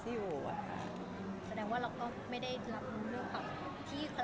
แสดงว่าเราก็ไม่ได้รับรู้ด้วยค่ะ